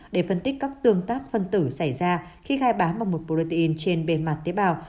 để phân tích các tương tác phân tử xảy ra khi gai bám vào một protein trên bề mặt tế bào